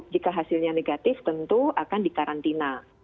jika hasilnya negatif tentu akan di karantina